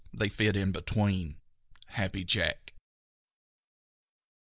They fit in between. _Happy Jack.